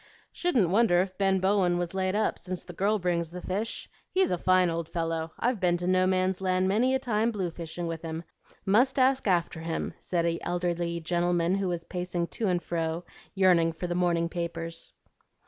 "Shouldn't wonder if Ben Bowen was laid up, since the girl brings the fish. He's a fine old fellow. I've been to No Man's Land many a time blue fishing with him; must ask after him," said an elderly gentleman who was pacing to and fro yearning for the morning papers.